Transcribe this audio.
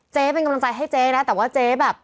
เป็นกำลังใจให้เจ๊นะแต่ว่าเจ๊แบบ